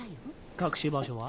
隠し場所は？